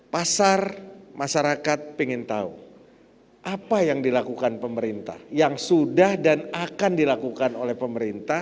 pasar masyarakat ingin tahu apa yang dilakukan pemerintah yang sudah dan akan dilakukan oleh pemerintah